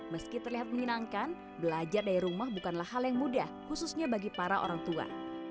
meski terlihat menyenangkan belajar dari rumah bukanlah hal yang mudah khususnya bagi para orang tua